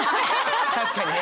確かにね。